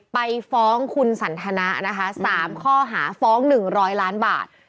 ไปฟ้องคุณสันทนานะคะ๓ข้อหาฟ้อง๑๐๐ล้านบาท